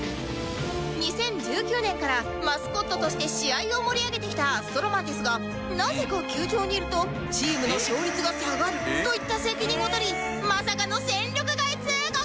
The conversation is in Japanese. ２０１９年からマスコットとして試合を盛り上げてきたアストロマンですがなぜか球場にいるとチームの勝率が下がるといった責任をとりまさかの戦力外通告に